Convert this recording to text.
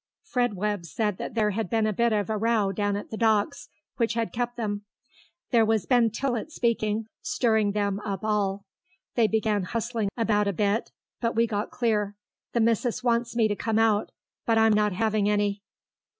Fred Webb said that there had been a bit of a row down at the docks, which had kept them. "There was Ben Tillett speaking, stirring them up all. They began hustling about a bit but we got clear. The missus wants me to come out, but I'm not having any."